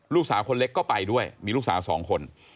ลูกสาวคนเล็กก็ไปด้วยมีลูกสาวสองคน